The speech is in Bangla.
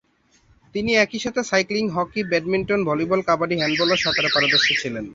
তিনি একইসাথে cycling, hockey, badminton, volleyball, kabaddi, handball এবং সাঁতারে পারদর্শী ছিলেন।